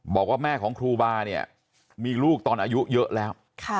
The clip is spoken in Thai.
บอกว่าแม่ของครูบาเนี่ยมีลูกตอนอายุเยอะแล้ว